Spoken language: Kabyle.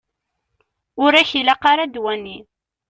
Ur ak-ilaq ara ddwa-nni.